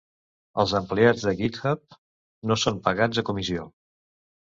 Els empleats de GitHub no són pagats a comissió.